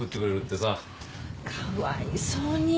かわいそうに。